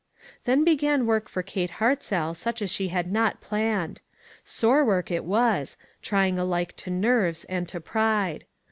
Then began work for Kate Hartzell such DISCIPLINE. 347 as she had not planned. Sore work it was, trying alike to nerves and to pride.